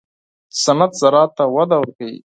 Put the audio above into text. صنعت زراعت ته وده ورکوي